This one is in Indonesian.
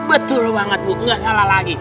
betul banget bu nggak salah lagi